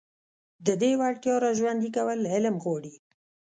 د دې وړتيا راژوندي کول علم غواړي.